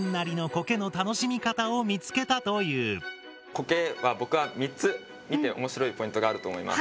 コケは僕は３つ見ておもしろいポイントがあると思います。